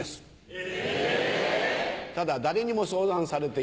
え！